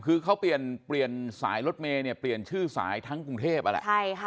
คือเขาเปลี่ยนเปลี่ยนสายรถเมย์เนี่ยเปลี่ยนชื่อสายทั้งกรุงเทพนั่นแหละ